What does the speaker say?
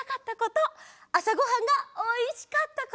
あさごはんがおいしかったこと。